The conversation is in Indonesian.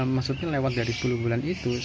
maksudnya lewat dari sepuluh bulan itu